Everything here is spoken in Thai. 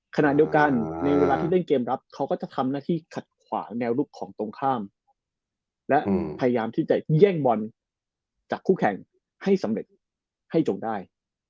ขณะเดียวกันในเวลาที่เล่นเกมรับเขาก็จะทำหน้าที่ขัดขวางแนวลุกของตรงข้ามและพยายามที่จะแย่งบอลจากคู่แข่งให้สำเร็จให้จงได้